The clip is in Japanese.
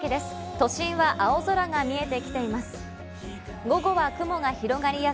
都心は青空が見えてきています。